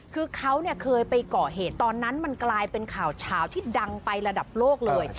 คือเขาเนี่ยเคยไปก่อเหตุตอนนั้นมันกลายเป็นข่าวเฉาที่ดังไประดับโลกเลย